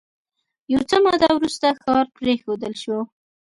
یو څه موده وروسته ښار پرېښودل شو